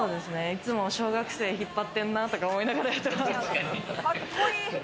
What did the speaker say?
いつも小学生引っ張ってんなって思いながらやってる。